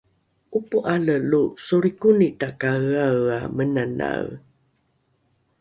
’opo’ale lo solrikoni takaeaea menanae